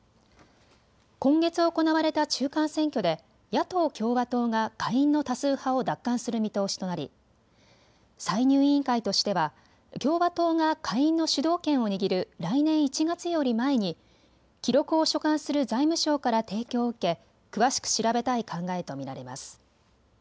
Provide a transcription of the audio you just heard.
今月行われた中間選挙で野党・共和党が下院の多数派を奪還する見通しとなり歳入委員会としては共和党が下院の主導権を握る来年１月より前に記録を所管する財務省から提供を受け詳しく調べたい考えと見られます。